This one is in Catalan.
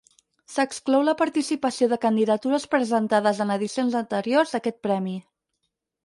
S'exclou la participació de candidatures presentades en edicions anteriors d'aquest premi.